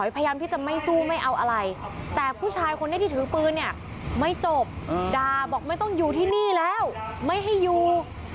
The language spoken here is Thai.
ผู้ชายคนนี้ที่ถือปืนเนี่ยไม่จบด่าบอกไม่ต้องอยู่ที่นี่แล้วไม่ให้อยู่